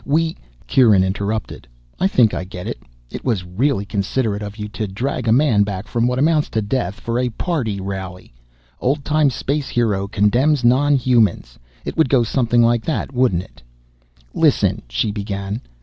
We " Kieran interrupted. "I think I get it. It was really considerate of you. You drag a man back from what amounts to death, for a party rally. 'Oldtime space hero condemns non humans' it would go something like that, wouldn't it?" "Listen ," she began.